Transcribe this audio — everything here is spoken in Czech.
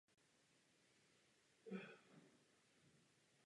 Oba typy tak jezdí v mnoha městských autobusových provozech.